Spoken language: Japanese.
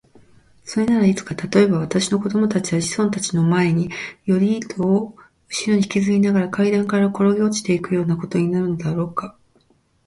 それならいつか、たとえば私の子供たちや子孫たちの前に、より糸をうしろにひきずりながら階段からころげ落ちていくようなことになるのだろうか。